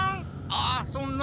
あそんな！